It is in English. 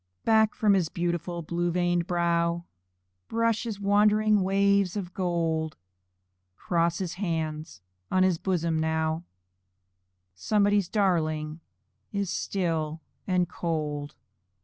Back from his beautiful blue veined brow Brush his wandering waves of gold; Cross his hands on his bosom now Somebody's darling is still and cold.